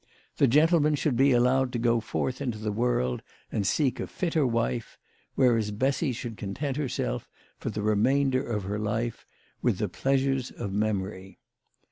The gentleman should be allowed to go forth into the world and seek a fitter wife, whereas Bessy should con tent herself, for the remainder of her life, with the pleasures of memory.